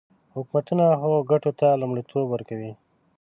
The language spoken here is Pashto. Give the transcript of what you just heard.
حکومتونه هغو ګټو ته لومړیتوب ورکوي.